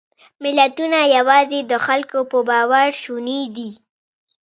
ملتونه یواځې د خلکو په باور شوني دي.